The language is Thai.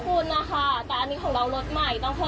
แถมโอ้โหตัวเนี่ยเหม็นเหล้ามากนะคะ